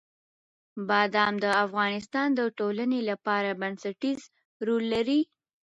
بادام د افغانستان د ټولنې لپاره بنسټيز رول لري.